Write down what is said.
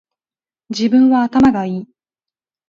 自分は頭がいい